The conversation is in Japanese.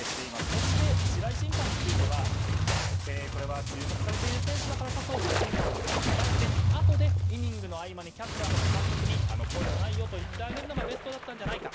そして、白井審判については注目されている選手だからこそ審判はぐっとこらえてあとでイニングの合間にキャッチャーとか監督にあの行為はないよと言ってあげるのがベストだったんじゃないか。